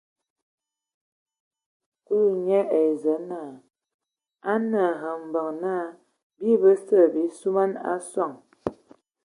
Kulu nye ai Zǝə naa: A nǝ hm mbeŋ naa bii bəse bii suman a soŋ.